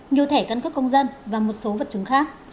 nhiều thẻ căn cước công dân và một số vật chứng khác